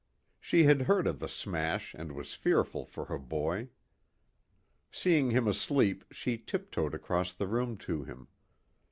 She had heard of the smash and was fearful for her boy. Seeing him asleep she tiptoed across the room to him.